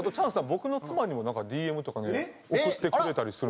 僕の妻にもＤＭとかね送ってくれたりするんですよ。